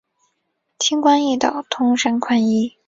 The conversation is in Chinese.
轻关易道，通商宽衣。